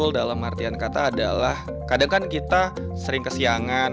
betul dalam artian kata adalah kadang kan kita sering kesiangan